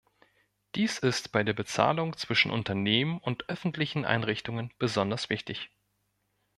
Dies ist bei der Bezahlung zwischen Unternehmen und öffentlichen Einrichtungen besonders wichtig.